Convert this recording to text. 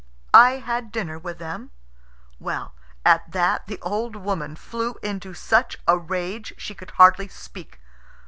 "I had dinner with them." Well, at that the old woman flew into such a rage she could hardly speak.